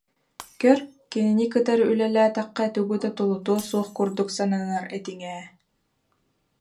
Көр, кинини кытары үлэлээтэххэ тугу да тулутуо суох курдук сананар этиҥ ээ